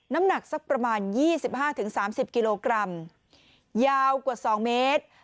น้ำหนักสักประมาณ๒๕๓๐กิโลกรัมยาวกว่า๒เมตร